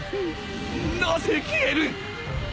なぜ消える！？